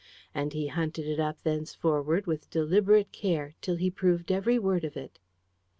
And he hunted it up thenceforward with deliberate care, till he proved every word of it.